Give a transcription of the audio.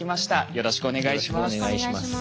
よろしくお願いします。